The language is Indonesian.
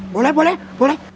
boleh boleh boleh